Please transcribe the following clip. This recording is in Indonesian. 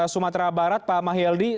sumatera barat pak mahyildi